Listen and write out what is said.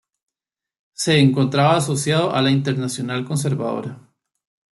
Se encontraba asociado a la Internacional Conservadora.